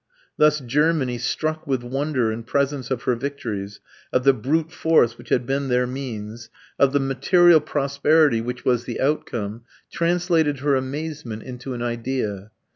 Thus Germany, struck with wonder in presence of her victories, of the brute force which had been their means, of the material prosperity which was the outcome, translated her amazement into an idea.